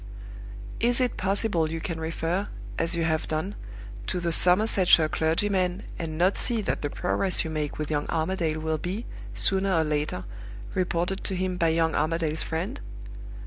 Is it possible you can refer, as you have done, to the Somersetshire clergyman, and not see that the progress you make with young Armadale will be, sooner or later, reported to him by young Armadale's friend?